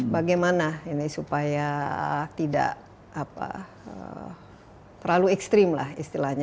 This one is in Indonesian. bagaimana ini supaya tidak terlalu ekstrim lah istilahnya